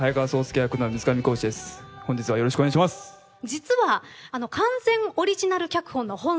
実は完全オリジナル脚本の本作。